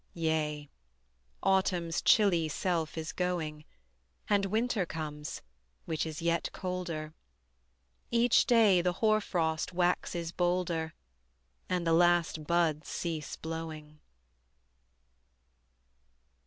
Yea, Autumn's chilly self is going, And winter comes which is yet colder; Each day the hoar frost waxes bolder And the last buds cease blowing.